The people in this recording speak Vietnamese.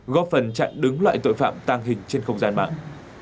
góp phần chặn đứng loại tội phạm tàng hình trên không gian mạng